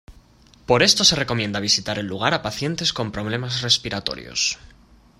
Por esto se recomienda visitar el lugar a pacientes con problemas respiratorios.